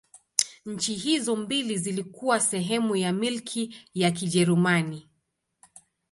Nchi hizo mbili zilikuwa sehemu ya Milki ya Kijerumani.